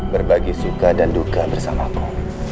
berbagi suka dan duka bersamaku